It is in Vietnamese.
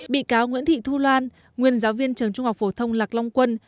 bị cáo nguyễn thị thu loan nguyên giáo viên trường trung học phổ thông lạc long quân